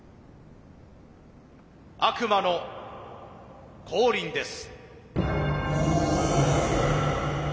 悪魔の降臨です。